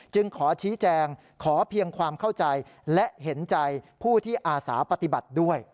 ขอชี้แจงขอเพียงความเข้าใจและเห็นใจผู้ที่อาสาปฏิบัติด้วย